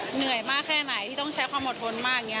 เหนื่อยมากแค่ไหนที่ต้องใช้ความอดทนมาก